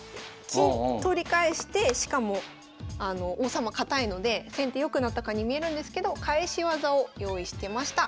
金取り返してしかも王様堅いので先手良くなったかに見えるんですけど返し技を用意してました。